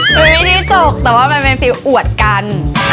ไม่มีที่จบแต่ว่าเป็นเป็นฟิวอวดกัน